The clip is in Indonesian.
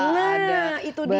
nah itu dia